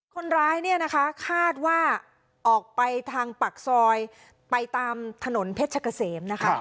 คนร้ายเนี่ยนะคะคาดว่าออกไปทางปากซอยไปตามถนนเพชรกะเสมนะคะ